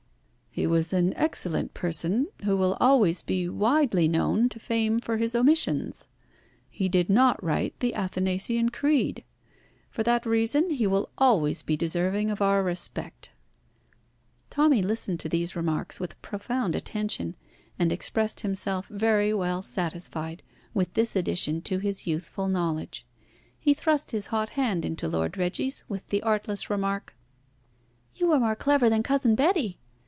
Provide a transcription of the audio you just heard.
"He was an excellent person, who will always be widely known to fame for his omissions. He did not write the Athanasian creed. For that reason he will always be deserving of our respect." Tommy listened to these remarks with profound attention, and expressed himself very well satisfied with this addition to his youthful knowledge. He thrust his hot hand into Lord Reggie's with the artless remark "You are more clever than Cousin Betty!"